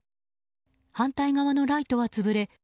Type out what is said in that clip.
反対側のライトは潰れ